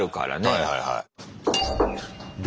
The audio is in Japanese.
はいはいはい。